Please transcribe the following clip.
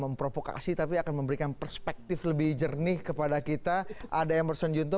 memprovokasi tapi akan memberikan perspektif lebih jernih kepada kita ada emerson junto